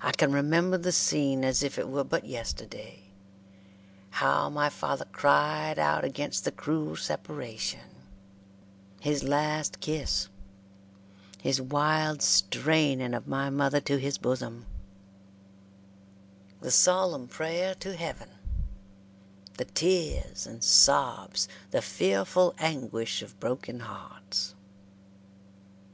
I can remember the scene as if it were but yesterday; how my father cried out against the cruel separation; his last kiss; his wild straining of my mother to his bosom; the solemn prayer to Heaven; the tears and sobs the fearful anguish of broken hearts.